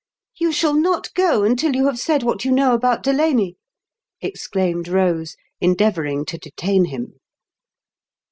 "You shall not go until you have said what you know about Delaney !" exclaimed Kose, endeavouring to detain him.